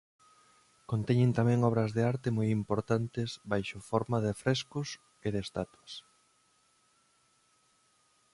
Conteñen tamén obras de arte moi importantes baixo forma de frescos e de estatuas.